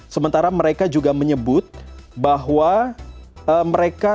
sementara mereka juga menyebut bahwa mereka